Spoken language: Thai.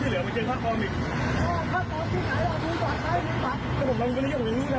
แล้วคุณต่อซ้ายนี่ค่ะ